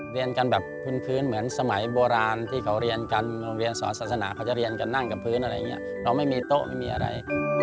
เรียนกันแบบพื้นเหมือนสมัยโบราณที่เขาเรียนกันโรงเรียนสอนศาสนาเขาจะเรียนกันนั่งกับพื้นอะไรอย่างนี้เราไม่มีโต๊ะไม่มีอะไร